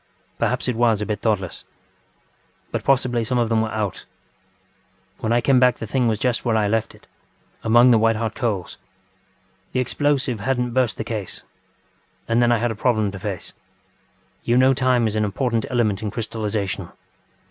Perhaps it was a bit thoughtless. But possibly some of them were out. ŌĆ£When I came back the thing was just where I left it, among the white hot coals. The explosive hadnŌĆÖt burst the case. And then I had a problem to face. You know time is an important element in crystallisation.